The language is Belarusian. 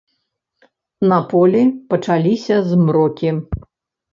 На полі пачаліся змрокі.